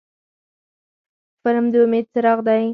فلم د امید څراغ دی